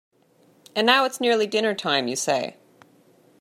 And now it's nearly dinner-time, you say?